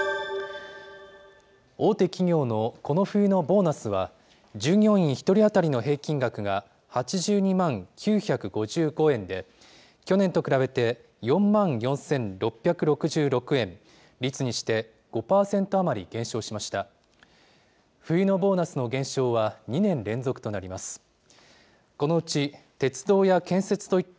大手企業のこの冬のボーナスは、従業員１人当たりの平均額が８２万９５５円で、去年と比べて４万４６６６円、率にして５％余り減少しました。